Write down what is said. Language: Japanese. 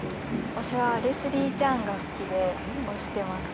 推しはレスリー・チャンが好きで推してます。